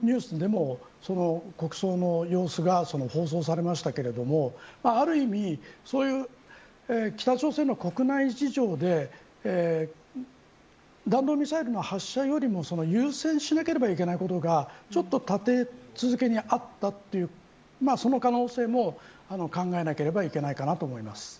ニュースでもその国葬の様子が放送されましたがある意味、北朝鮮の国内事情で弾道ミサイルの発射よりも優先しなければいけないことがちょっと立て続けにあったというその可能性も考えなければいけないかなと思います。